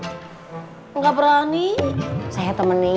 si akang lagi santai di teras tuh